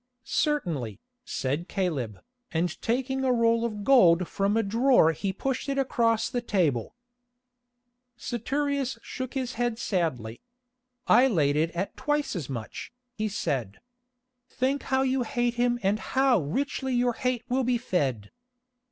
"Certainly," said Caleb, and taking a roll of gold from a drawer he pushed it across the table. Saturius shook his head sadly. "I laid it at twice as much," he said. "Think how you hate him and how richly your hate will be fed.